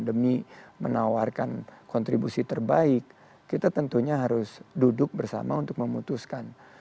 demi menawarkan kontribusi terbaik kita tentunya harus duduk bersama untuk memutuskan